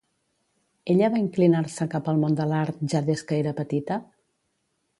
Ella va inclinar-se cap al món de l'art ja des que era petita?